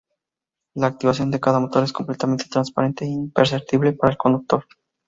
La activación de cada motor es completamente transparente e imperceptible para el conductor.